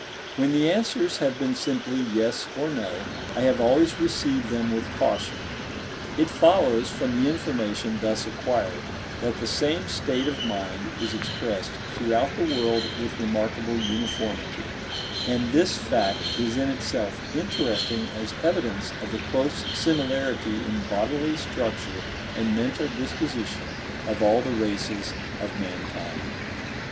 When the answers have been simply yes or no, I have always received them with caution. It follows, from the information thus acquired, that the same state of mind is expressed throughout the world with remarkable uniformity; and this fact is in itself interesting as evidence of the close similarity in bodily structure and mental disposition of all the races, of mankind.